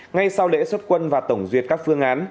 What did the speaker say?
ngay sau lễ xuất quân và tổng duyệt các phương án